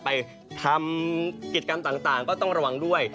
ไปทำกิจกรรมต่างก็ต้องระวังด้วย